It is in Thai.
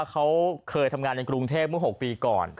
เขาเคยทำงานในกรุงเทพเมื่อ๖ปีก่อน